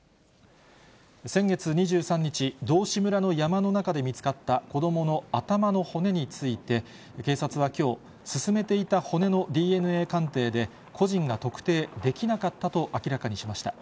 先月２３日、道志村の山の中で見つかった子どもの頭の骨について、警察はきょう、進めていた骨のＤＮＡ鑑定で、個人が特定できなかったと明らかにしました。